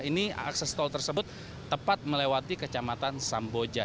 ini akses tol tersebut tepat melewati kecamatan samboja